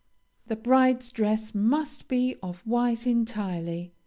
The bride's dress must be of white entirely.